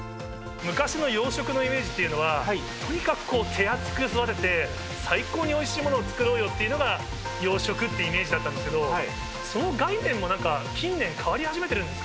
昔の養殖のイメージというのは、とにかく手厚く育てて、最高においしいものを作ろうよっていうのが養殖っていうイメージだったんですけど、その概念もなんか近年、変わり始めてるんです